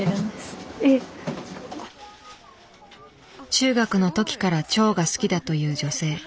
中学のときからチョウが好きだという女性。